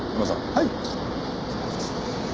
はい！